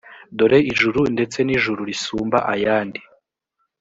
dore ijuru ndetse n ijuru risumba ayandi